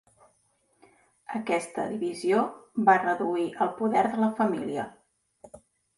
Aquesta divisió va reduir el poder de la família.